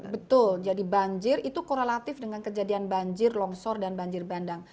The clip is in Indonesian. betul jadi banjir itu korelatif dengan kejadian banjir longsor dan banjir bandang